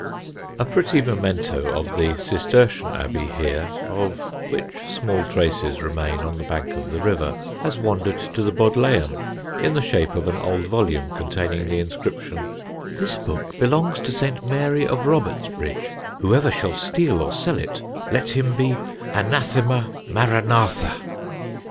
[Sidenote: FOR BOOK BORROWERS] A pretty memento of the Cistercian Abbey here, of which small traces remain on the bank of the river, has wandered to the Bodleian, in the shape of an old volume containing the inscription: "This book belongs to St. Mary of Robertsbridge; whoever shall steal or sell it, let him be Anathema Maranatha!"